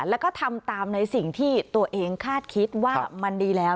แล้วก็ทำตามในสิ่งที่ตัวเองคาดคิดว่ามันดีแล้ว